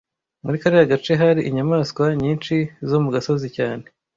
Muri kariya gace hari inyamaswa nyinshi zo mu gasozi cyane